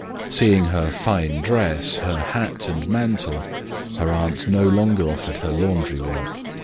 Seeing her fine dress, her hat, and mantle, her aunt no longer offered her laundry work.